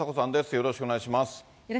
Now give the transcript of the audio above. よろしくお願いします。